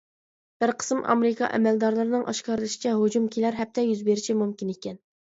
بىر قىسىم ئامېرىكا ئەمەلدارلىرىنىڭ ئاشكارىلىشىچە، ھۇجۇم كېلەر ھەپتە يۈز بېرىشى مۇمكىن ئىكەن.